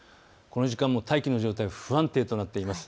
この時間も大気の状態が不安定となっています。